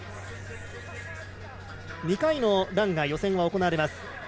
２回のランが予選は行われます。